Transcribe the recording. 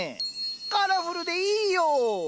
カラフルでいいよ。